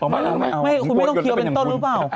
ไม่คุณไม่ต้องเคี้ยวเป็นต้นหรือเปล่า